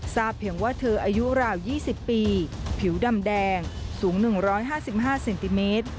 เพียงว่าเธออายุราว๒๐ปีผิวดำแดงสูง๑๕๕เซนติเมตร